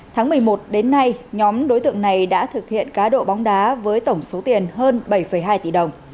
tháng một mươi một đến nay nhóm đối tượng này đã thực hiện cá độ bóng đá với tổng số tiền hơn bảy hai tỷ đồng